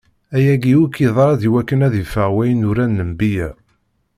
Ayagi akk iḍra-d iwakken ad iffeɣ wayen uran lenbiya.